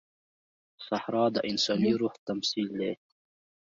صحرا د انساني روح تمثیل دی.